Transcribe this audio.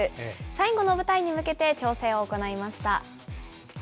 最後の舞台に向けて、調整を行いました。